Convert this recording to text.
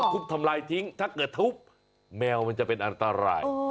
ทุบทำลายทิ้งถ้าเกิดทุบแมวมันจะเป็นอันตราย